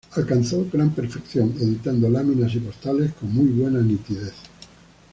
Alcanzó gran perfección, editando láminas y postales con muy buena nitidez.